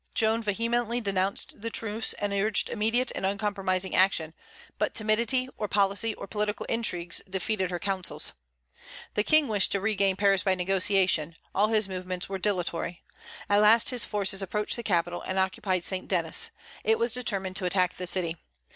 Joan vehemently denounced the truce, and urged immediate and uncompromising action; but timidity, or policy, or political intrigues, defeated her counsels. The King wished to regain Paris by negotiation; all his movements were dilatory. At last his forces approached the capital, and occupied St. Denis. It was determined to attack the city.